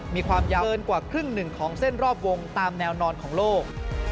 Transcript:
มีความยาวเกินกว่าครึ่งหนึ่งของเส้นรอบวงตามแนวนอนของโลก